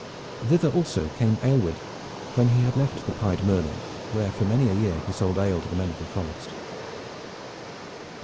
Thither also came Aylward when he had left the "Pied Merlin" where for many a year he sold ale to the men of the forest.